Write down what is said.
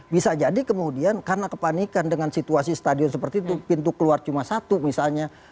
bisa jadi kemudian karena kepanikan dengan situasi stadion seperti itu pintu keluar cuma satu misalnya